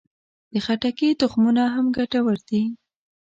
د خټکي تخمونه هم ګټور دي.